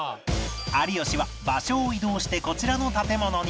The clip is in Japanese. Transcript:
有吉は場所を移動してこちらの建物に